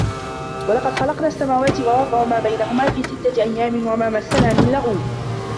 وَلَقَد خَلَقنَا السَّماواتِ وَالأَرضَ وَما بَينَهُما في سِتَّةِ أَيّامٍ وَما مَسَّنا مِن لُغوبٍ